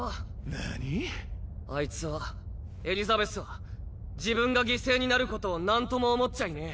何⁉あいつはエリザベスは自分が犠牲になることをなんとも思っちゃいねぇ。